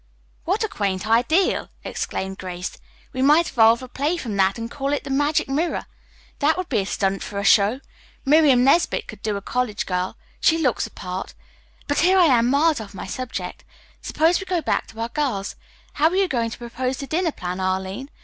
"What a quaint idea!" exclaimed Grace. "We might evolve a play from that and call it 'The Magic Mirror.' That would be a stunt for a show. Miriam Nesbit could do a college girl. She looks the part. But here, I am miles off my subject. Suppose we go back to our girls. How are you going to propose the dinner plan, Arline?"